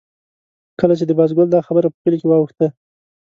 کله چې د بازګل دا خبره په کلي کې واوښته.